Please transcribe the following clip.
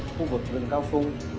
khu vực gần cao phung